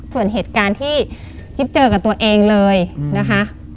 ส่วนเหตุการณ์ที่จิ๊บเจอกับตัวเองเลยนะคะ